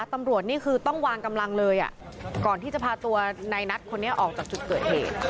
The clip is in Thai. ตำรวจนี่คือต้องวางกำลังเลยก่อนที่จะพาตัวในนัทคนนี้ออกจากจุดเกิดเหตุ